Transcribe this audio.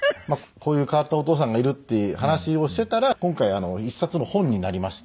こういう変わったお義父さんがいるって話をしてたら今回１冊の本になりまして。